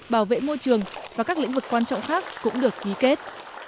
bảo vệ môi trường và các lĩnh vực quan trọng khác cũng được ký kết